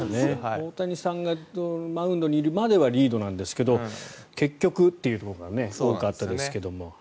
大谷さんがマウンドにいるまではリードなんですが結局というのが多かったですが。